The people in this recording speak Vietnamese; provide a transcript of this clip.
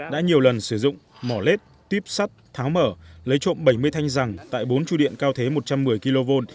đã nhiều lần sử dụng mỏ lết tuyếp sắt tháo mở lấy trộm bảy mươi thanh răng tại bốn trụ điện cao thế một trăm một mươi kv